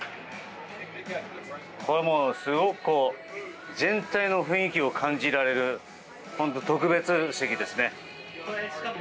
すごく全体の雰囲気を感じられる特別席ですね。